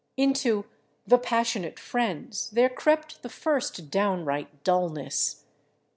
Into "The Passionate Friends" there crept the first downright dullness.